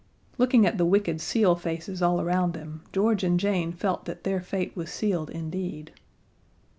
Looking at the wicked seal faces all around them, George and Jane felt that their fate was sealed indeed.